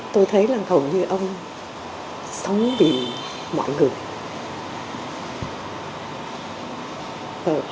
tôi thấy là hầu như ông sống vì mọi người